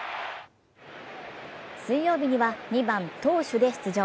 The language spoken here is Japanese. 水曜日には２番・投手で出場。